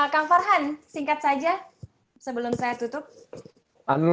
kang farhan singkat saja sebelum saya tutup